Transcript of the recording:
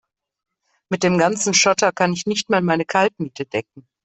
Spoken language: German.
Mit dem ganzen Schotter kann ich nicht mal meine Kaltmiete decken.